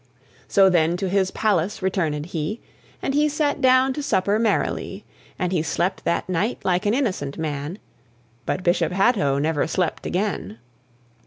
So then to his palace returnèd he, And he sat down to supper merrily, And he slept that night like an innocent man; But Bishop Hatto never slept again.